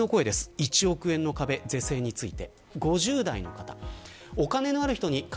１億円の壁、是正について。